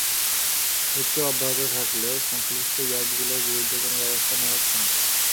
মৃত্যু অব্যাহত থাকলেও সংশ্লিষ্ট ইয়ার্ডগুলোর বিরুদ্ধে কোনো ব্যবস্থা নেওয়া হচ্ছে না।